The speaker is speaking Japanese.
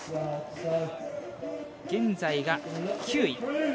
現在が９位。